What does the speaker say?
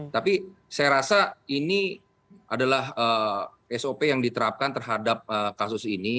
tapi saya rasa ini adalah sop yang diterapkan terhadap kasus ini